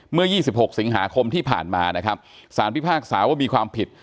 เมื่อ๒๖สิงหาคมที่ผ่านมานะครับสารพิพากษาว่ามีความผิด